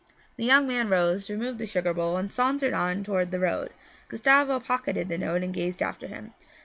The young man rose, removed the sugar bowl, and sauntered on toward the road. Gustavo pocketed the notes and gazed after him.